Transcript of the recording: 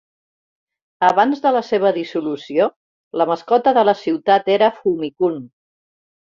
Abans de la seva dissolució, la mascota de la ciutat era "Fumi-kun".